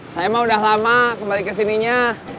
saya mah udah lama kembali kesininya